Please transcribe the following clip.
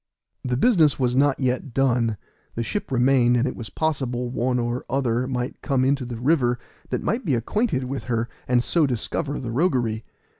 The business was not yet done; the ship remained, and it was possible one or other might come into the river that might be acquainted with her, and so discover the roguery.